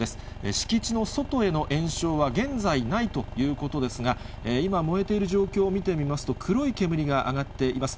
敷地の外への延焼は、現在ないということですが、今燃えている状況を見てみますと、黒い煙が上がっています。